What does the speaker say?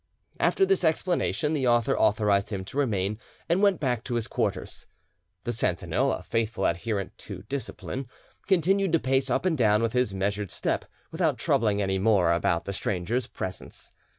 After this explanation, the officer authorised him to remain, and went back to his quarters. The sentinel, a faithful adherent to discipline, continued to pace up and down with his measured step, without troubling any more about the stranger's presence.